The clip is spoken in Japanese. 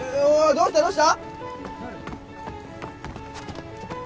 どうした？